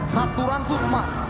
satu ransu smart